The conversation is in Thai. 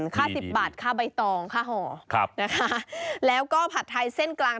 ค่าสิบบาทค่าใบตองค่าห่อครับนะคะแล้วก็ผัดไทยเส้นกลาง